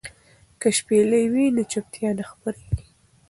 که شپېلۍ وي نو چوپتیا نه خپریږي.